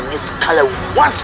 tidak ada apa apa